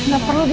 gak perlu di